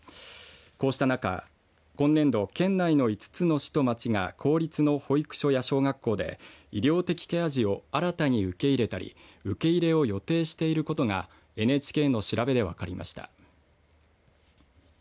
こうした中今年度、県内の５つの市と町が公立の保育所や小学校で医療的ケア児を新たに受け入れたり受け入れを予定していることがＮＨＫの調べで分かりました。